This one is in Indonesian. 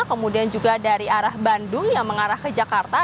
kemudian juga dari arah bandung yang mengarah ke jakarta